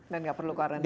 dan gak perlu karantina